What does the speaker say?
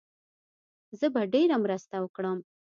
زه به ډېره مرسته وکړم.